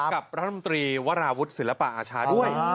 กับรัฐมนตรีวราวุฒิศิลปะอาชาด้วย